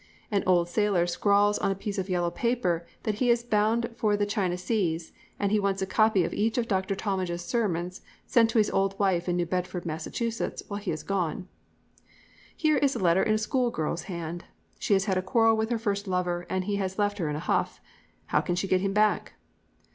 An old sailor scrawls on a piece of yellow paper that he is bound for the China seas and he wants a copy of each of Dr. Talmage's sermons sent to his old wife in New Bedford, Mass., while he is gone. Here is a letter in a schoolgirl's hand. She has had a quarrel with her first lover and he has left her in a huff. How can she get him back?